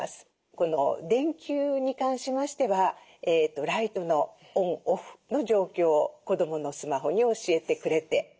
この電球に関しましてはライトのオン・オフの状況を子どものスマホに教えてくれて。